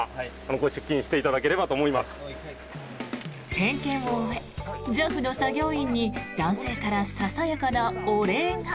点検を終えＪＡＦの作業員に男性からささやかなお礼が。